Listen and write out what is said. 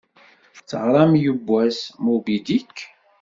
Teɣṛam yewwas "Moby Dick"?